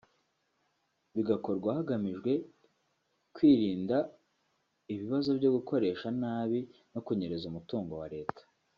bigakorwa hagamijwe kwirinda ibibazo byo gukoresha nabi no kunyereza umutungo wa Leta